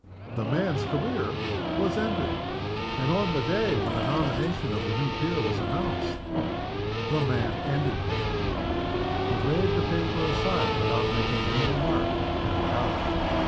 The man's career was ended; and on the day when the nomination of the new peer was announced, the man ended with it. He laid the newspaper aside without making any remark, and went out.